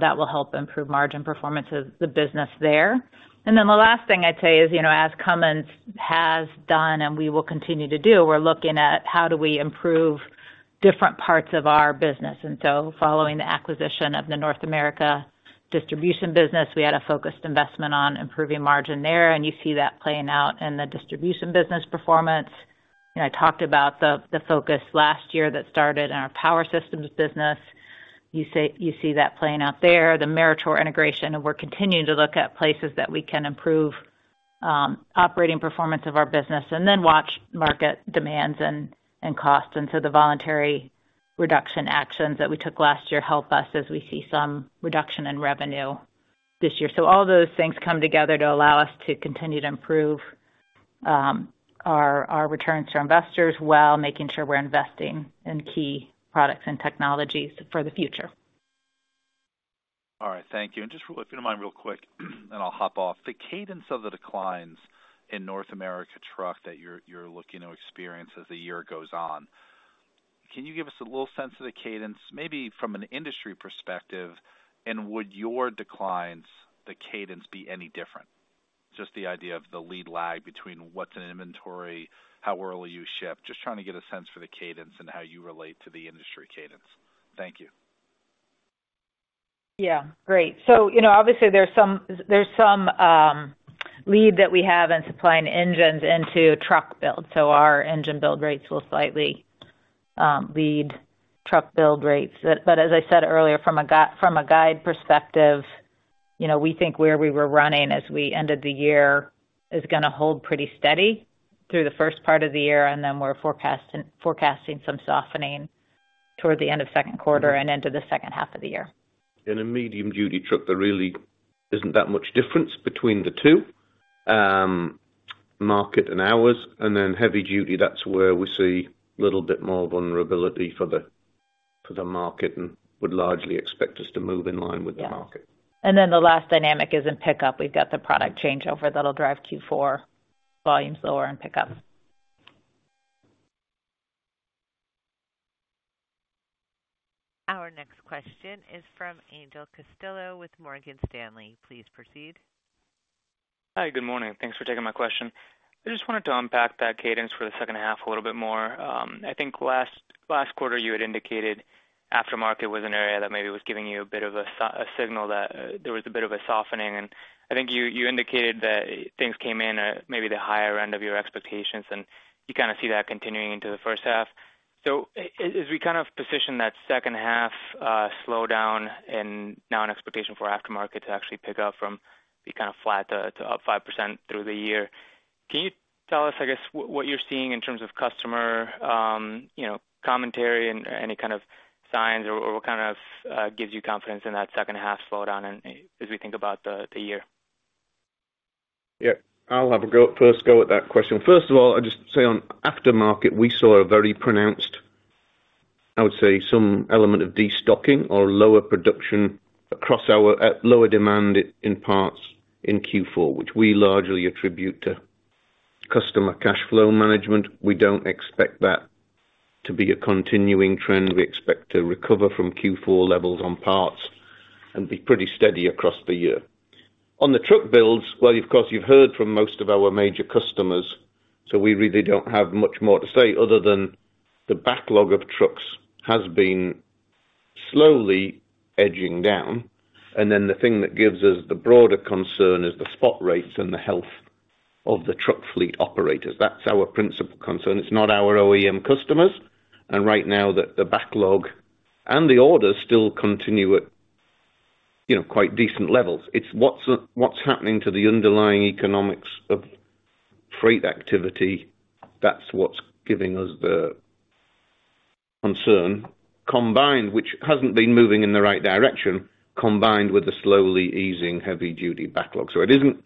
[SPEAKER 3] that will help improve margin performances, the business there. And then the last thing I'd say is, you know, as Cummins has done and we will continue to do, we're looking at how do we improve different parts of our business. And so following the acquisition of the North America distribution business, we had a focused investment on improving margin there, and you see that playing out in the distribution business performance. And I talked about the focus last year that started in our power systems business. You say you see that playing out there, the Meritor integration, and we're continuing to look at places that we can improve operating performance of our business, and then watch market demands and costs. So the voluntary reduction actions that we took last year help us as we see some reduction in revenue this year. So all those things come together to allow us to continue to improve our, our returns to our investors, while making sure we're investing in key products and technologies for the future.
[SPEAKER 7] All right. Thank you. And just if you don't mind, real quick, and I'll hop off. The cadence of the declines in North America truck that you're, you're looking to experience as the year goes on, can you give us a little sense of the cadence, maybe from an industry perspective, and would your declines, the cadence, be any different? Just the idea of the lead lag between what's in inventory, how early you ship. Just trying to get a sense for the cadence and how you relate to the industry cadence. Thank you.
[SPEAKER 3] Yeah. Great. So you know, obviously there's some lead that we have in supplying engines into truck build, so our engine build rates will slightly lead truck build rates. But as I said earlier, from a guide perspective, you know, we think where we were running as we ended the year is gonna hold pretty steady through the first part of the year, and then we're forecasting some softening toward the end of second quarter and into the second half of the year.
[SPEAKER 4] In a medium-duty truck, there really isn't that much difference between the two, market and ours, and then heavy-duty, that's where we see a little bit more vulnerability for the market and would largely expect us to move in line with the market.
[SPEAKER 3] Yeah. And then the last dynamic is in pickup. We've got the product changeover that'll drive Q4 volumes lower in pickup.
[SPEAKER 1] Our next question is from Angel Castillo with Morgan Stanley. Please proceed.
[SPEAKER 8] Hi, good morning. Thanks for taking my question. I just wanted to unpack that cadence for the second half a little bit more. I think last quarter you had indicated aftermarket was an area that maybe was giving you a bit of a signal that there was a bit of a softening, and I think you indicated that things came in at maybe the higher end of your expectations, and you kind of see that continuing into the first half. So as we kind of position that second half slowdown and now an expectation for aftermarket to actually pick up from being kind of flat to up 5% through the year, can you tell us, I guess, what you're seeing in terms of customer, you know, commentary and any kind of signs or what kind of gives you confidence in that second half slowdown and as we think about the year?
[SPEAKER 4] Yeah, I'll have a go, first go at that question. First of all, I'll just say on aftermarket, we saw a very pronounced, I would say, some element of destocking or lower production across our at lower demand in parts in Q4, which we largely attribute to customer cash flow management. We don't expect that to be a continuing trend. We expect to recover from Q4 levels on parts and be pretty steady across the year. On the truck builds, well, of course, you've heard from most of our major customers, so we really don't have much more to say other than the backlog of trucks has been slowly edging down. And then the thing that gives us the broader concern is the spot rates and the health of the truck fleet operators. That's our principal concern. It's not our OEM customers, and right now the backlog and the orders still continue at, you know, quite decent levels. It's what's happening to the underlying economics of freight activity, that's what's giving us the concern, combined with which hasn't been moving in the right direction, combined with the slowly easing heavy-duty backlog. So it isn't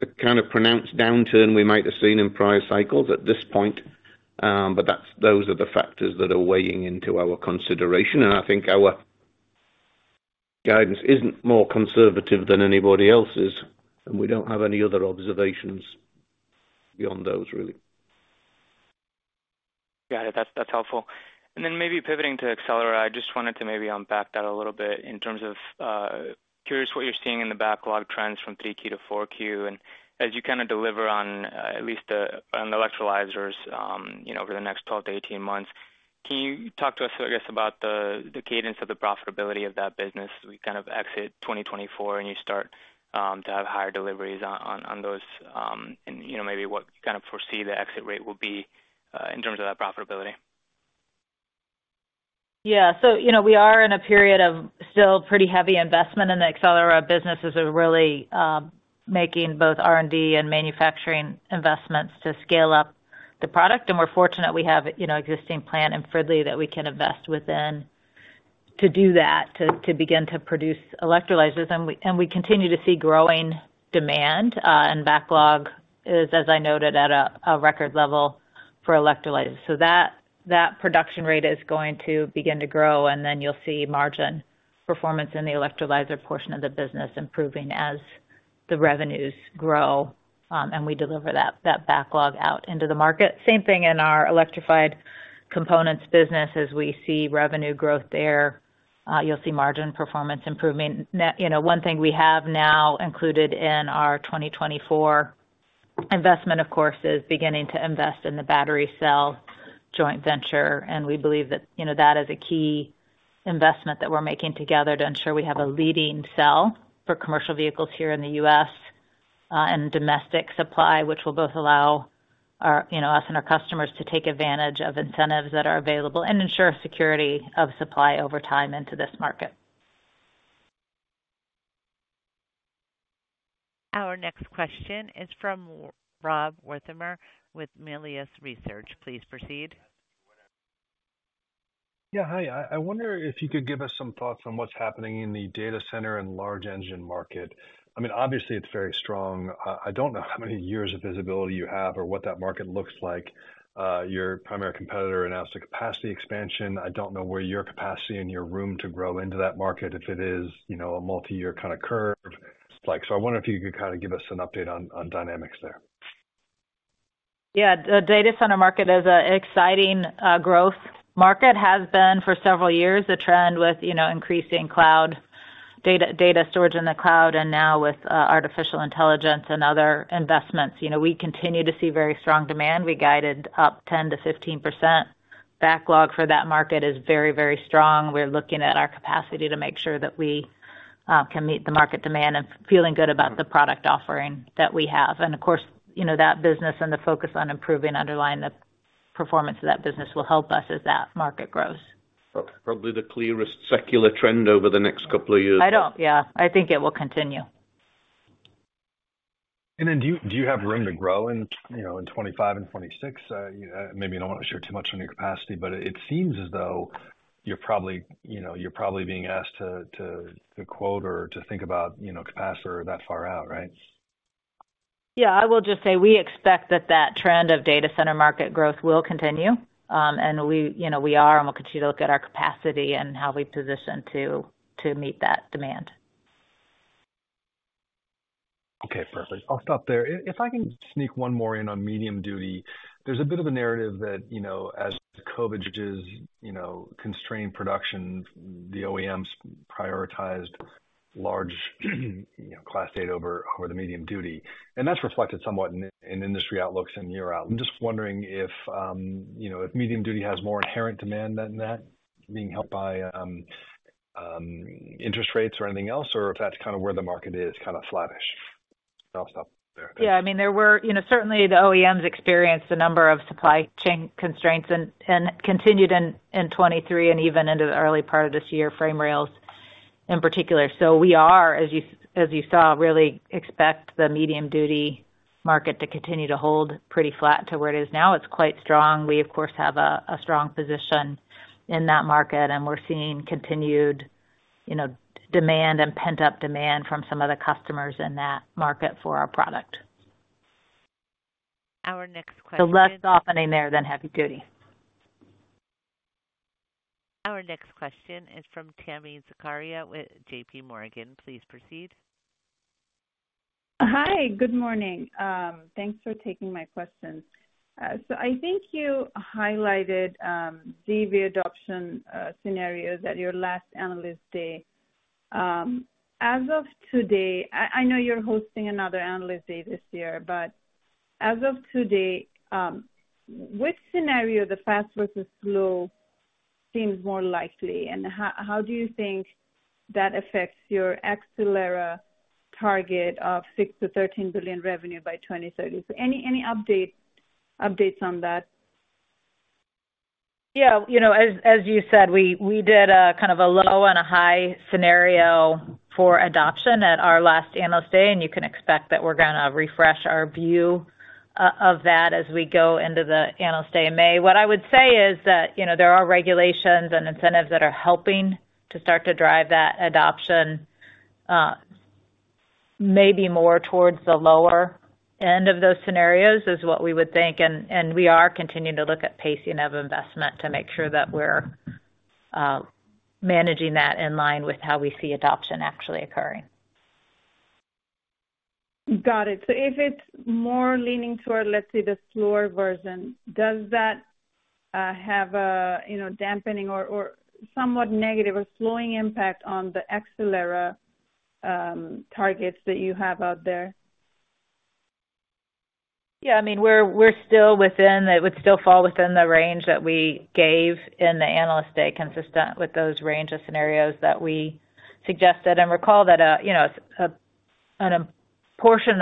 [SPEAKER 4] the kind of pronounced downturn we might have seen in prior cycles at this point, but that's—those are the factors that are weighing into our consideration, and I think our guidance isn't more conservative than anybody else's, and we don't have any other observations beyond those, really.
[SPEAKER 8] Got it. That's, that's helpful. And then maybe pivoting to Accelera, I just wanted to maybe unpack that a little bit in terms of, curious what you're seeing in the backlog trends from Q3 to Q4. And as you kind of deliver on, at least the, on the electrolyzers, you know, over the next 12 to 18 months, can you talk to us, I guess, about the, the cadence of the profitability of that business? We kind of exit 2024, and you start, to have higher deliveries on, on, on those, and you know, maybe what you kind of foresee the exit rate will be, in terms of that profitability.
[SPEAKER 3] Yeah. So, you know, we are in a period of still pretty heavy investment in the Accelera businesses are really making both R&D and manufacturing investments to scale up the product. And we're fortunate we have, you know, existing plant in Fridley that we can invest within to do that, to begin to produce electrolyzers. And we continue to see growing demand, and backlog is, as I noted, at a record level for electrolyzers. So that production rate is going to begin to grow, and then you'll see margin performance in the electrolyzer portion of the business improving as the revenues grow, and we deliver that backlog out into the market. Same thing in our electrified components business. As we see revenue growth there, you'll see margin performance improving. You know, one thing we have now included in our 2024 investment, of course, is beginning to invest in the battery cell joint venture, and we believe that, you know, that is a key investment that we're making together to ensure we have a leading cell for commercial vehicles here in the U.S., and domestic supply, which will both allow our, you know, us and our customers to take advantage of incentives that are available and ensure security of supply over time into this market.
[SPEAKER 1] Our next question is from Rob Wertheimer, with Melius Research. Please proceed.
[SPEAKER 9] Yeah, hi. I wonder if you could give us some thoughts on what's happening in the data center and large engine market. I mean, obviously, it's very strong. I don't know how many years of visibility you have or what that market looks like. Your primary competitor announced a capacity expansion. I don't know where your capacity and your room to grow into that market, if it is, you know, a multi-year kind of curve like. So I wonder if you could kind of give us an update on dynamics there.
[SPEAKER 3] Yeah. The data center market is an exciting, growth market, has been for several years, a trend with, you know, increasing cloud data, data storage in the cloud, and now with, artificial intelligence and other investments. You know, we continue to see very strong demand. We guided up 10%-15%. Backlog for that market is very, very strong. We're looking at our capacity to make sure that we, can meet the market demand and feeling good about the product offering that we have. And of course, you know, that business and the focus on improving underlying the performance of that business will help us as that market grows.
[SPEAKER 4] Probably the clearest secular trend over the next couple of years.
[SPEAKER 3] I don't... Yeah, I think it will continue.
[SPEAKER 9] And then do you have room to grow in, you know, in 25 and 26? Maybe you don't want to share too much on your capacity, but it seems as though you're probably, you know, you're probably being asked to quote or to think about, you know, capacity that far out, right?
[SPEAKER 3] Yeah. I will just say we expect that that trend of data center market growth will continue. And we, you know, we are, and we'll continue to look at our capacity and how we position to meet that demand.
[SPEAKER 9] Okay, perfect. I'll stop there. If I can sneak one more in on medium duty, there's a bit of a narrative that, you know, as COVID just, you know, constrained production, the OEMs prioritized large, you know, Class 8 over the medium duty, and that's reflected somewhat in industry outlooks and year out. I'm just wondering if, you know, if medium duty has more inherent demand than that, being helped by interest rates or anything else, or if that's kind of where the market is, kind of flattish? And I'll stop there.
[SPEAKER 3] Yeah, I mean, there were, you know, certainly the OEMs experienced a number of supply chain constraints and continued in 2023 and even into the early part of this year, frame rails in particular. So we are, as you saw, really expect the medium duty market to continue to hold pretty flat to where it is now. It's quite strong. We, of course, have a strong position in that market, and we're seeing continued, you know, demand and pent-up demand from some of the customers in that market for our product.
[SPEAKER 1] Our next question-
[SPEAKER 3] Less softening there than heavy duty.
[SPEAKER 1] Our next question is from Tami Zakaria with JPMorgan. Please proceed.
[SPEAKER 10] Hi, good morning. Thanks for taking my questions. So I think you highlighted ZEV adoption scenarios at your last Analyst Day. As of today, I, I know you're hosting another Analyst Day this year, but as of today, which scenario, the fast versus slow, seems more likely? And how, how do you think that affects your Accelera target of $6 billion-$13 billion revenue by 2030? So any, any update, updates on that?
[SPEAKER 3] Yeah. You know, as you said, we did a kind of a low and a high scenario for adoption at our last Analyst Day, and you can expect that we're gonna refresh our view of that as we go into the Analyst Day in May. What I would say is that, you know, there are regulations and incentives that are helping to start to drive that adoption, maybe more towards the lower end of those scenarios, is what we would think, and we are continuing to look at pacing of investment to make sure that we're managing that in line with how we see adoption actually occurring.
[SPEAKER 10] Got it. So if it's more leaning toward, let's say, the slower version, does that have a, you know, dampening or somewhat negative or slowing impact on the Accelera targets that you have out there?
[SPEAKER 3] Yeah, I mean, we're still within. It would still fall within the range that we gave in the Analyst Day, consistent with those range of scenarios that we suggested. And recall that, you know,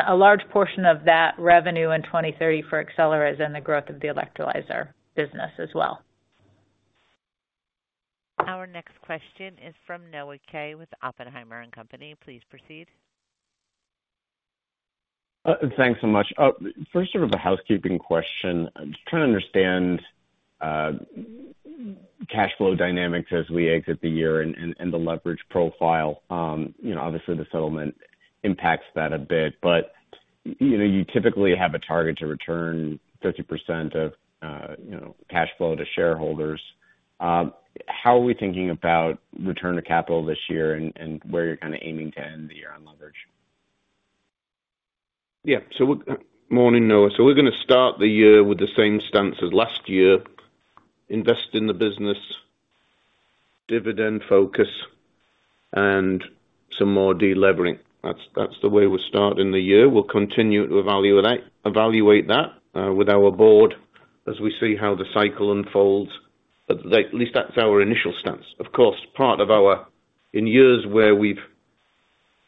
[SPEAKER 3] a large portion of that revenue in 2030 for Accelera is in the growth of the electrolyzer business as well.
[SPEAKER 1] Our next question is from Noah Kaye, with Oppenheimer and Company. Please proceed.
[SPEAKER 11] Thanks so much. First, sort of a housekeeping question. Just trying to understand cash flow dynamics as we exit the year and the leverage profile. You know, obviously, the settlement impacts that a bit, but you know, you typically have a target to return 50% of you know, cash flow to shareholders. How are we thinking about return to capital this year and where you're kind of aiming to end the year on leverage?
[SPEAKER 4] Yeah. So morning, Noah. So we're gonna start the year with the same stance as last year: invest in the business, dividend focus, and some more delevering. That's, that's the way we're starting the year. We'll continue to evaluate that with our board as we see how the cycle unfolds. At least that's our initial stance. Of course, part of our... In years where we've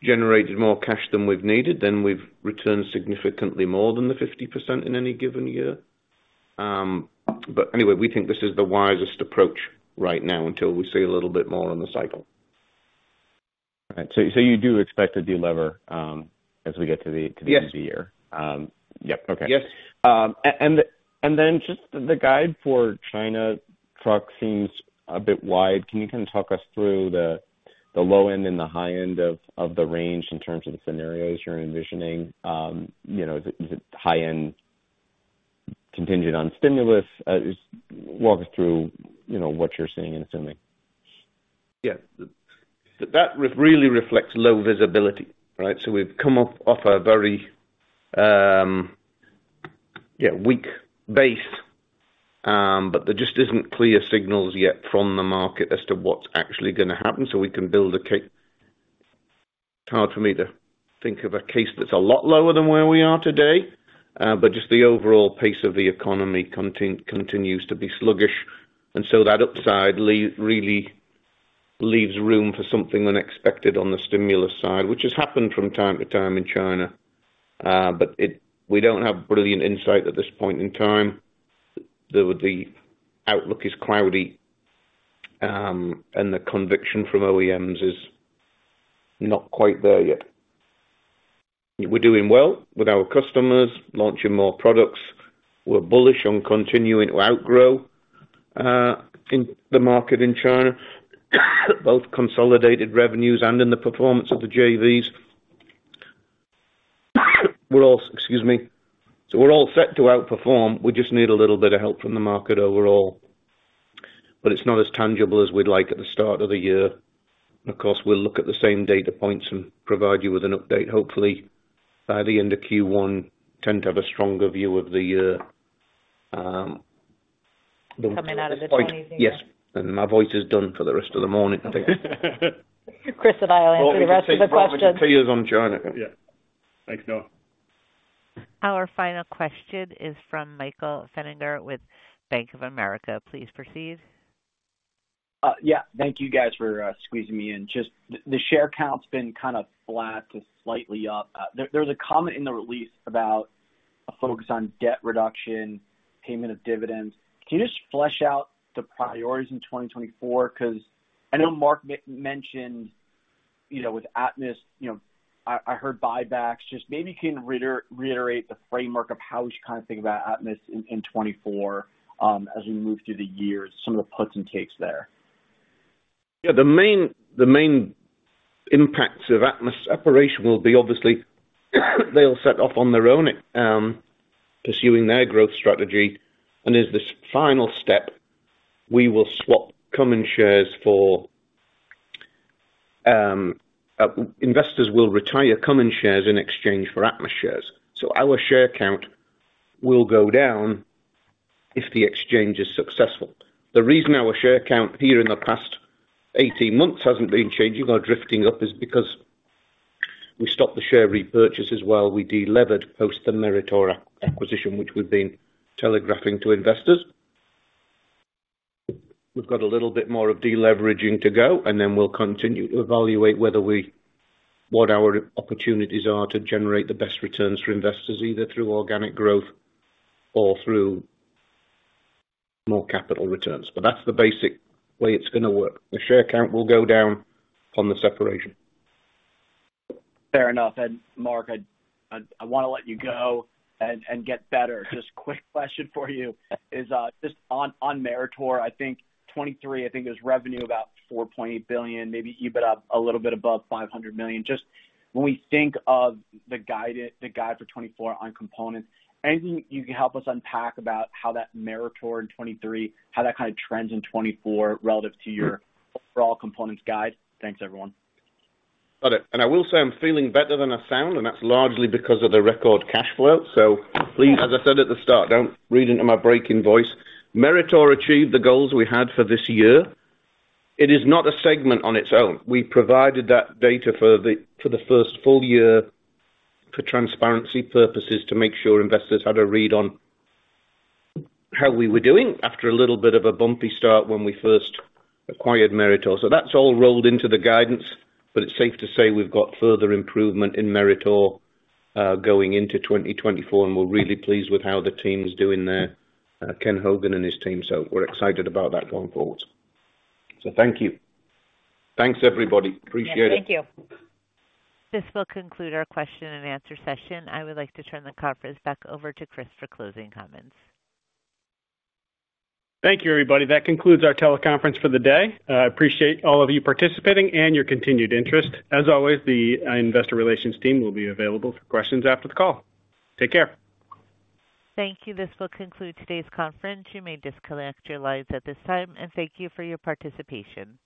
[SPEAKER 4] generated more cash than we've needed, then we've returned significantly more than the 50% in any given year. But anyway, we think this is the wisest approach right now until we see a little bit more on the cycle.
[SPEAKER 11] Right. So you do expect to delever as we get to the-
[SPEAKER 4] Yes.
[SPEAKER 11] - end of the year? Yep. Okay.
[SPEAKER 4] Yes.
[SPEAKER 11] And then just the guide for China truck seems a bit wide. Can you kind of talk us through the low end and the high end of the range in terms of the scenarios you're envisioning? You know, is it high end contingent on stimulus? Just walk us through, you know, what you're seeing in China.
[SPEAKER 4] Yeah. That really reflects low visibility, right? So we've come off a very weak base, but there just isn't clear signals yet from the market as to what's actually gonna happen, so we can build a case. It's hard for me to think of a case that's a lot lower than where we are today, but just the overall pace of the economy continues to be sluggish, and so that upside really leaves room for something unexpected on the stimulus side, which has happened from time to time in China. But we don't have brilliant insight at this point in time, though the outlook is cloudy, and the conviction from OEMs is not quite there yet. We're doing well with our customers, launching more products. We're bullish on continuing to outgrow in the market in China, both consolidated revenues and in the performance of the JVs. Excuse me. So we're all set to outperform. We just need a little bit of help from the market overall, but it's not as tangible as we'd like at the start of the year. Of course, we'll look at the same data points and provide you with an update, hopefully by the end of Q1. We tend to have a stronger view of the year coming out of this point. Yes, and my voice is done for the rest of the morning, I think.
[SPEAKER 3] Chris and I will answer the rest of the questions.
[SPEAKER 4] On China.
[SPEAKER 2] Yeah. Thanks, Noah.
[SPEAKER 1] Our final question is from Michael Feniger with Bank of America. Please proceed.
[SPEAKER 12] Yeah, thank you guys for squeezing me in. Just the share count's been kind of flat to slightly up. There was a comment in the release about a focus on debt reduction, payment of dividends. Can you just flesh out the priorities in 2024? Because I know Mark mentioned, you know, with Atmus, you know, I heard buybacks. Just maybe you can reiterate the framework of how we should kind of think about Atmus in 2024, as we move through the years, some of the puts and takes there.
[SPEAKER 4] Yeah, the main, the main impacts of Atmus separation will be obviously, they'll set off on their own, pursuing their growth strategy, and as this final step, we will swap common shares for, Investors will retire common shares in exchange for Atmus shares. So our share count will go down if the exchange is successful. The reason our share count here in the past 18 months hasn't been changing or drifting up is because we stopped the share repurchases while we delevered post the Meritor acquisition, which we've been telegraphing to investors. We've got a little bit more of deleveraging to go, and then we'll continue to evaluate whether we, what our opportunities are to generate the best returns for investors, either through organic growth or through more capital returns. But that's the basic way it's gonna work. The share count will go down on the separation.
[SPEAKER 12] Fair enough. And Mark, I wanna let you go and get better. Just quick question for you is, just on Meritor, I think 2023, I think there's revenue about $4.8 billion, maybe EBITDA a little bit above $500 million. Just when we think of the guide for 2024 on components, anything you can help us unpack about how that Meritor in 2023, how that kind of trends in 2024 relative to your overall components guide? Thanks, everyone.
[SPEAKER 4] Got it. And I will say I'm feeling better than I sound, and that's largely because of the record cash flow. So please, as I said at the start, don't read into my breaking voice. Meritor achieved the goals we had for this year. It is not a segment on its own. We provided that data for the, for the first full year for transparency purposes, to make sure investors had a read on how we were doing after a little bit of a bumpy start when we first acquired Meritor. So that's all rolled into the guidance, but it's safe to say we've got further improvement in Meritor going into 2024, and we're really pleased with how the team's doing there, Ken Hogan and his team. So we're excited about that going forward. So thank you. Thanks, everybody. Appreciate it.
[SPEAKER 12] Thank you.
[SPEAKER 1] This will conclude our question and answer session. I would like to turn the conference back over to Chris for closing comments.
[SPEAKER 2] Thank you, everybody. That concludes our teleconference for the day. I appreciate all of you participating and your continued interest. As always, the investor relations team will be available for questions after the call. Take care.
[SPEAKER 1] Thank you. This will conclude today's conference. You may disconnect your lines at this time, and thank you for your participation.